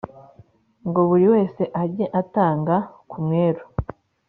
ngo buri wese ajye atanga ku mwero